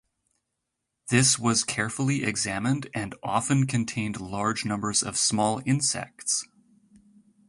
This was carefully examined and often contained large numbers of small insects.